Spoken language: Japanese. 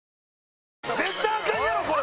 絶対アカンやんこれ！